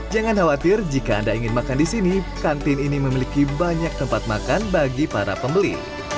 jangan khawatir jika anda ingin makan di sini kantin ini memiliki banyak tempat makan bagi para pembeli